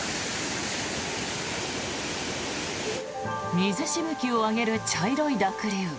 水しぶきを上げる茶色い濁流。